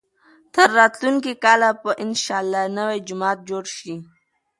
تر راتلونکي کاله به انشاالله نوی جومات جوړ شي.